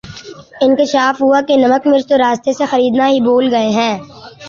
انکشاف ہوا کہ نمک مرچ تو راستے سے خریدنا ہی بھول گئے ہیں